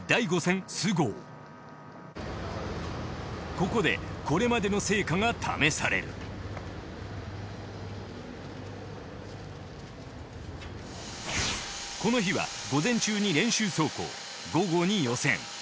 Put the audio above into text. ここでこれまでの成果が試されるこの日は午前中に練習走行午後に予選。